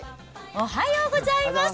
おはようございます。